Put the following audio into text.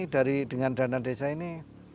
dengan dana desa ini